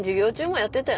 やってた。